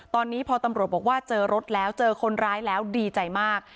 ตอนนี้พอตำรวจบอกว่าเจอรถแล้วเจอคนร้ายแล้วดีใจมาก